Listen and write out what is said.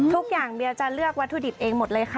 ทุกอย่างเบียจะเลือกวัตถุดิบเองหมดเลยค่ะ